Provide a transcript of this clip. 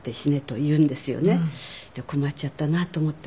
困っちゃったなと思ってね。